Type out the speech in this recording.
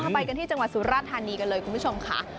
ไปกันที่จังหวัดสุราธานีกันเลยคุณผู้ชมค่ะ